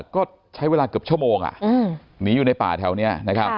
ก็ใช้เวลาเกือบชั่วโมงหนีอยู่ในป่าแถวนี้นะครับ